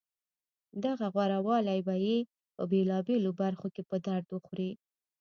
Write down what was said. دغه غورهوالی به یې په بېلابېلو برخو کې په درد وخوري